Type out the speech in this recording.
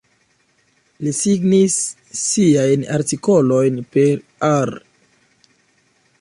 Li signis siajn artikolojn per: "A R".